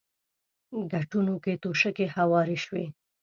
کټونو کې توشکې هوارې شوې.